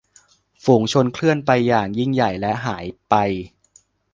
ฝูงชนเคลื่อนไปอย่างยิ่งใหญ่และหายไป